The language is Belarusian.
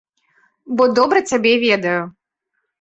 Бо добра цябе ведаю.